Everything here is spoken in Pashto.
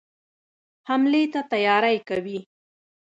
حملې ته تیاری کوي.